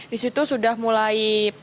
di situ sudah mulai